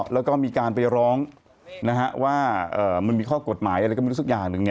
แล้วก็มีการไปร้องว่ามันมีข้อกฎหมายอะไรก็ไม่รู้สักอย่างหนึ่ง